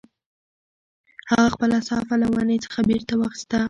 هغه خپله صافه له ونې څخه بېرته واخیسته.